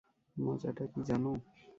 মজাটা কি জানো?